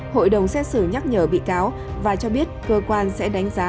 hội đồng xét xử nhắc nhở bị cáo và cho biết cơ quan sẽ đánh giá